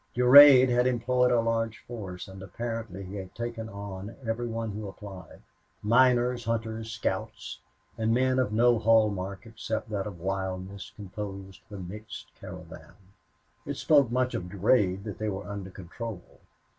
Durade had employed a large force, and apparently he had taken on every one who applied. Miners, hunters, scouts, and men of no hall mark except that of wildness composed the mixed caravan. It spoke much for Durade that they were under control.